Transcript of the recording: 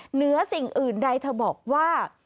เหนือสิ่งอื่นใดเธอบอกว่า